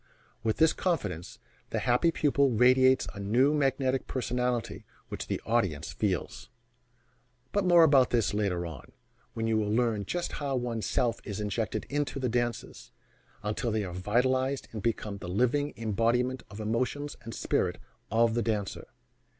With this confidence, the happy pupil radiates a new magnetic personality which the audience feels but more about this later on, when you will learn just how one's self is injected into the dances, until they are vitalized and become the living embodiment of the emotions and spirit of the dancer.